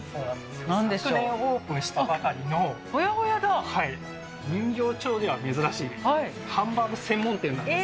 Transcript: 去年オープンしたばかりの、人形町では珍しいハンバーグ専門店なんです。